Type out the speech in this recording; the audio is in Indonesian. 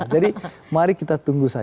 jadi mari kita tunggu saja